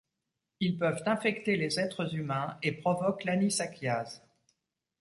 Ils peuvent infecter les êtres humains et provoquent l'anisakiase.